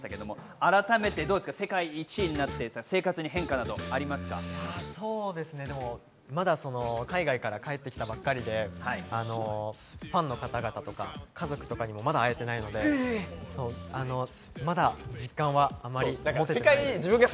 改めて、世界１位になってどうでまだ海外から帰ってきたばかりでファンの方々とか家族とかにも会えていないので、まだ実感はあまり持てていないです。